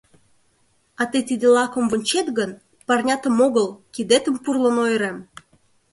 — А тый тиде лакым вончет гын, парнятым огыл, кидетым пурлын ойырем!